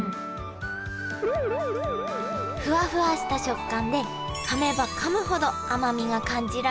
フワフワした食感でかめばかむほど甘みが感じられる。